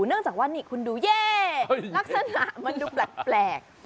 เนื่องจากว่านี่คุณดูเย่ลักษณะมันดูแปลก